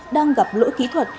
đang gặp lỗi kỹ thuật